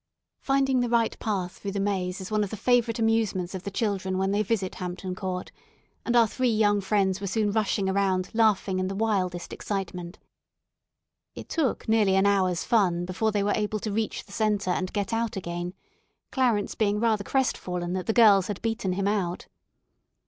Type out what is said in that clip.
Finding the right path through the Maze is one of the favourite amusements of the children when they visit Hampton Court, and our three young friends were soon rushing around laughing in the wildest excitement. It took nearly an hour's fun before they were able to reach the centre and get out again, Clarence being rather crestfallen that the girls had beaten him out.